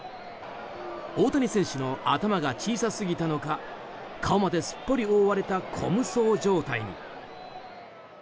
大谷選手の頭が小さすぎたのか顔まですっぽり覆われた虚無僧状態に。